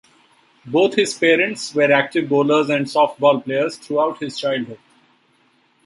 Both his parents were active bowlers and softball players throughout his childhood.